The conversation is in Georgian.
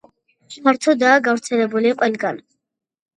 ფართოდაა გავრცელებული ყველგან.